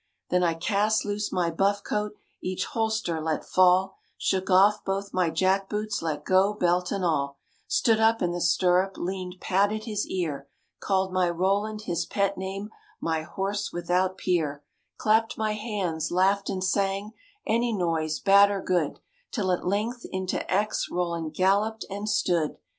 Then I cast loose my buff coat, each holster let fall, Shook off both my jack boots, let go belt and all, Stood up in the stirrup, leaned, patted his ear, Called my Roland his pet name, my horse without peer; Clapped my hands, laughed and sang, any noise, bad or good, Till at length into Aix Roland galloped and stood!